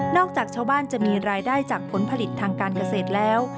จากชาวบ้านจะมีรายได้จากผลผลิตทางการเกษตรแล้ว